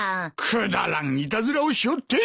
くだらんいたずらをしおって！